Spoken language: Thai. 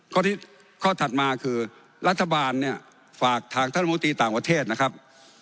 ข้อถัดมาคือรัฐบาลเนี่ยฝากทางท่านมูตีต่างประเทศนะครับ